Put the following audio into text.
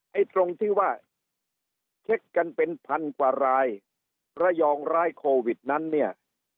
ตรงที่ว่าเช็คกันเป็นพันกว่ารายระยองร้ายโควิดนั้นเนี่ย